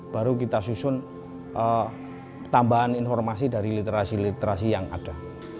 baru kita susun tambahan informasi dari literasi literasi yang ada